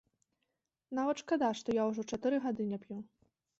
Нават шкада, што я ўжо чатыры гады не п'ю.